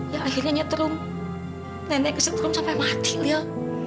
ya akhirnya nyeterum nenek keseterum sampai mati liel